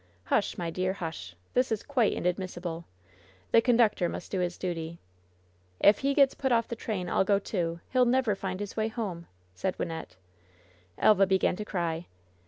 "Hush, my dear, hush! This is quite inadmissible. The conductor must do his duty." "If he gets put off the train I'll go, too ! He'll never find his way home !" said Wynnette. Elva began to cry.